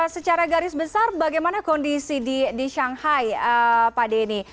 secara garis besar bagaimana kondisi di shanghai pak denny